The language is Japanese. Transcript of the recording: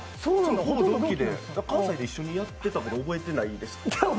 関西で一緒にやってたこと覚えてないですか？